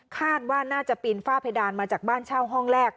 คาดว่าน่าจะปีนฝ้าเพดานมาจากบ้านเช่าห้องแรก